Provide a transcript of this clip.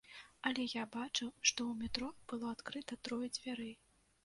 Але я бачыў, што ў метро было адкрыта трое дзвярэй.